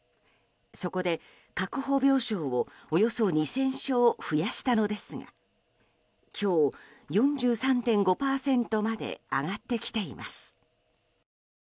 そこで確保病床をおよそ２０００床増やしたのですが今日、４３．５％まで上がってきています。